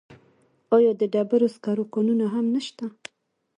آیا د ډبرو سکرو کانونه هم نشته؟